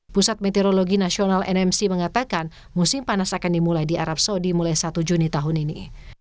pusat meteorologi nasional nmc mengatakan musim panas akan dimulai di arab saudi mulai satu juni tahun ini